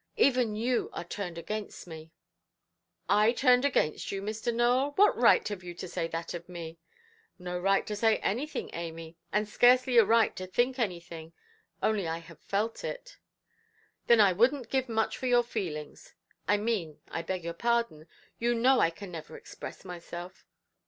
Even you are turned against me". "I turned against you, Mr. Nowell! What right have you to say that of me"? "No right to say anything, Amy; and scarcely a right to think anything. Only I have felt it". "Then I wouldnʼt give much for your feelings. I mean—I beg your pardon—you know I can never express myself".